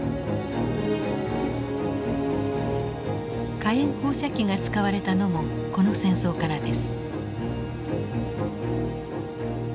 火炎放射器が使われたのもこの戦争からです。